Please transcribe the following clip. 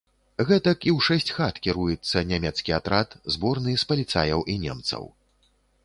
Гэтак і ў шэсць хат кіруецца нямецкі атрад, зборны, з паліцаяў і немцаў.